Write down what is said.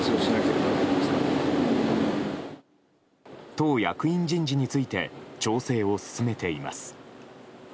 党役員人事について調整を進めています。